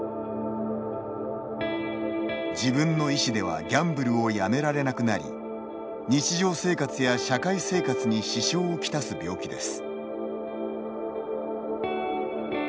自分の意志ではギャンブルをやめられなくなり日常生活や社会生活に支障を来す病気です。